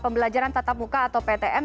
pembelajaran tatap muka atau ptm